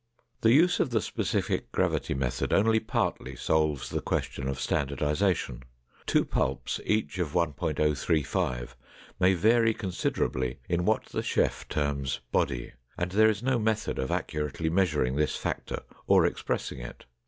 The use of the specific gravity method only partly solves the question of standardization. Two pulps each of 1.035 may vary considerably in what the chef terms body and there is no method of accurately measuring this factor or expressing it.